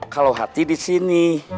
kalau hati di sini